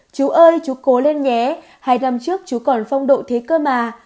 chú ơi chú cố lên nhé hai năm trước chú còn phong độ thế cơ mà